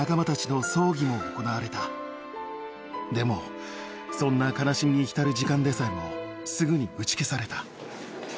でもそんな悲しみに浸る時間でさえもすぐに打ち消された。